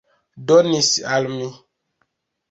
Donis al mi.